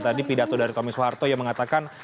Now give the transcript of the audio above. tadi pidato dari tommy soeharto yang mengatakan